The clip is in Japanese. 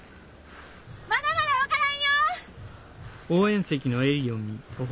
まだまだ分からんよ！